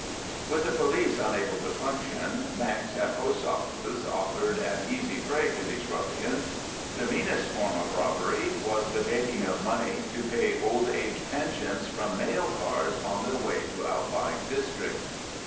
With the police unable to function, banks and post offices offered an easy prey to these ruffians. The meanest form of robbery was the taking of money to pay old age pensions from mail cars on their way to outlying districts.